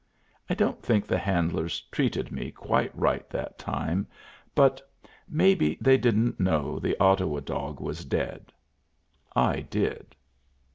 I don't think the handlers treated me quite right that time, but maybe they didn't know the Ottawa dog was dead. I did.